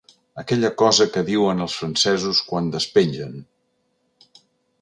Aquella cosa que diuen els francesos quan despengen.